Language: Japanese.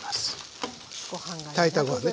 炊いたご飯ね。